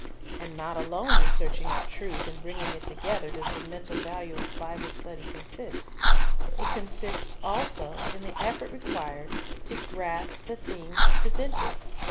And not alone in searching out truth and bringing it together does the mental value of Bible study con sist. It consists also in the effort required to grasp the themes presented.